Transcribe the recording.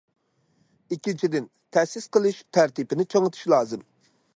ئىككىنچىدىن، تەسىس قىلىش تەرتىپىنى چىڭىتىش لازىم.